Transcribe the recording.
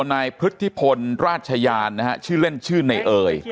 นายพฤติพลราชยานนะฮะชื่อเล่นชื่อในเอ่ย